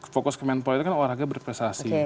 fokus kemenpora itu kan olahraga berprestasi